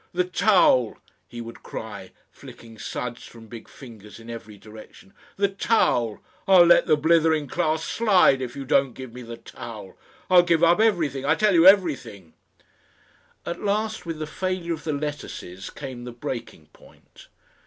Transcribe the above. "The towel!" he would cry, flicking suds from big fingers in every direction; "the towel! I'll let the blithering class slide if you don't give me the towel! I'll give up everything, I tell you everything!"... At last with the failure of the lettuces came the breaking point.